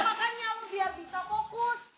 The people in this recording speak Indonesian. ya makanya lu biar bisa fokus